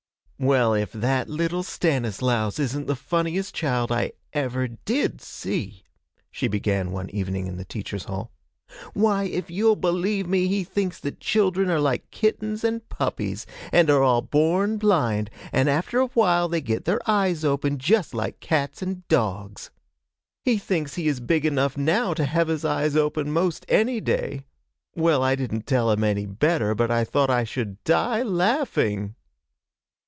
'Well, if that little Stanislaus isn't the funniest child I ever did see!' she began one evening in the teachers' hall. 'Why, if you'll believe me, he thinks that children are like kittens and puppies, and are all born blind, and after a while they get their eyes open just like cats and dogs. He thinks he is big enough now to have his eyes open 'most any day. Well, I didn't tell him any better, but I thought I should die laughing.'